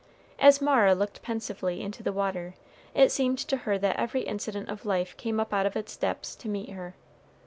As Mara looked pensively into the water, it seemed to her that every incident of life came up out of its depths to meet her.